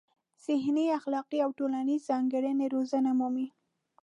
ذهني، اخلاقي او ټولنیزې ځانګړنې روزنه مومي.